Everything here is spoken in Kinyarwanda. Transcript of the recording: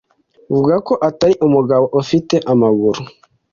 Vuga ko atari umugabo ufite amaguru